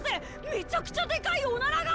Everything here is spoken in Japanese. めちゃくちゃでかいオナラが！